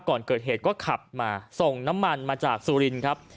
ก่อนเกิดเหตุก็ขับมาส่งน้ำมันมาจากสุรินครับ